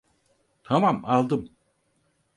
Tamam, aldım.